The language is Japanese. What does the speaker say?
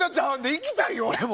いきたいよ、俺も。